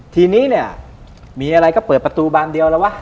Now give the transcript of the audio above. ทีนี้เนี่ยมีอะไรก็เปิดประตูบานเดียวแล้ววะ